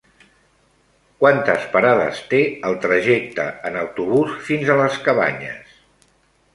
Quantes parades té el trajecte en autobús fins a les Cabanyes?